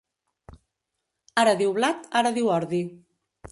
Ara diu blat, ara diu ordi.